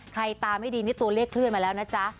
ตาไม่ดีนี่ตัวเลขเคลื่อนมาแล้วนะจ๊ะ